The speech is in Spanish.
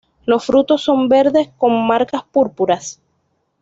Los frutos son verdes con marcas púrpuras.